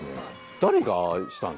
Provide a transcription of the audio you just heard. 誰がああしたんですか？